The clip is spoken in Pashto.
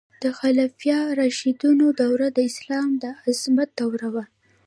د خلفای راشدینو دوره د اسلام د عظمت دوره وه.